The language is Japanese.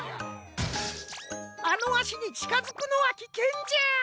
あのあしにちかづくのはきけんじゃ。